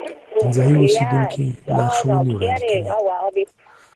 ځایی اوسیدونکي لارښوونې وړاندې کوي.